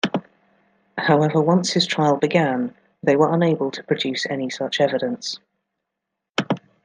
However once his trial began, they were unable to produce any such evidence.